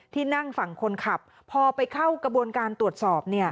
ที่นั่งฝั่งคนขับพอไปเข้ากระบวนการตรวจสอบ